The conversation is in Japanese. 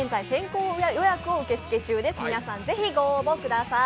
皆さん、ぜひご応募ください